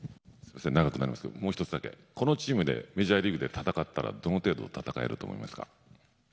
長くなりますけどもう１つだけこのチームでメジャーリーグで戦ったらどの程度、戦えると思いますか？